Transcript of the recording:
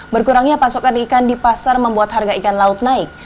berkurangnya pasokan ikan di pasar membuat harga ikan laut naik